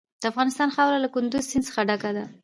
د افغانستان خاوره له کندز سیند څخه ډکه ده.